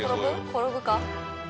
転ぶか？